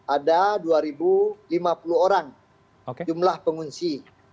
ada dua lima puluh orang jumlah pengungsi